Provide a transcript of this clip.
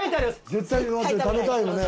絶対に食べたいよね。